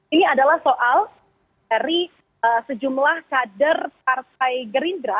ini adalah soal dari sejumlah kader partai gerindra